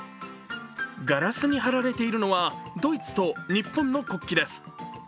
ガラスに貼られているのはドイツと日本の国旗です。